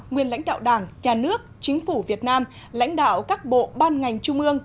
nguyên lãnh đạo đảng nhà nước chính phủ việt nam lãnh đạo các bộ ban ngành trung ương